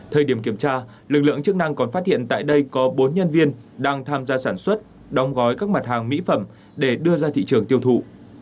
thời điểm kiểm tra lực lượng chức năng còn phát hiện tại đây có bốn nhân viên đang tham gia sản xuất đóng gói các mặt hàng mỹ phẩm để đưa ra thị trường tiêu thụ